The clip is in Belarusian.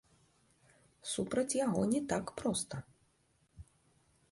Супраць яго не так проста.